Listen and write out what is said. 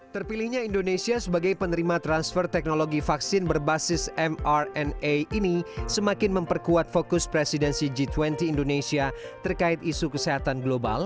terpilihnya indonesia sebagai penerima transfer teknologi vaksin berbasis mrna ini semakin memperkuat fokus presidensi g dua puluh indonesia terkait isu kesehatan global